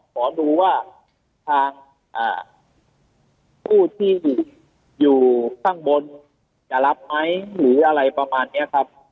ขอดูว่าทางผู้ที่อยู่ข้างบนจะรับไหมหรืออะไรประมาณนี้ครับ